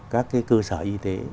các cái cơ sở y tế